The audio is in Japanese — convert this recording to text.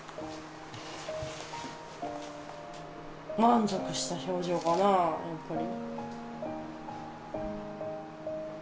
満足した表情かな、やっぱり。